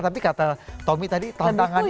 tapi kata tommy tadi tantangannya